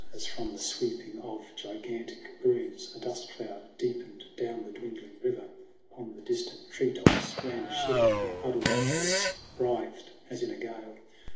As from the sweeping of gigantic brooms, A dust cloud deepened down the dwindling river ; Upon the distant tree tops ran a shiver And huddled thickets writhed as in a gale.